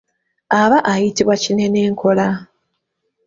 Aba ayitibwa kinenenkola.